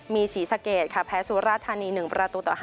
มีศรีสะเกดค่ะแพ้สุราธานี๑ประตูต่อ๕